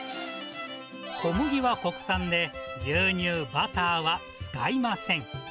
小麦は国産で、牛乳、バターは使いません。